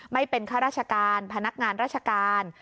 ไม่เป็นข้าราชการพนักงานราชการ